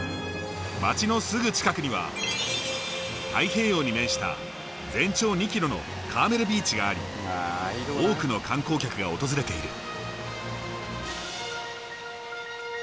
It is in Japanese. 街のすぐ近くには太平洋に面した全長２ｋｍのカーメルビーチがあり多くの観光客が訪れている。